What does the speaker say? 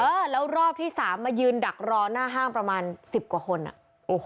เออแล้วรอบที่๓มายืนดักรอหน้าห้างประมาณ๑๐กว่าคนอ่ะ